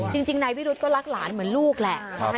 จริงนายวิรุธก็รักหลานเหมือนลูกแหละ